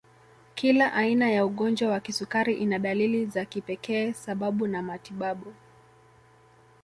Kila aina ya ugonjwa wa kisukari ina dalili za kipekee sababu na matibabu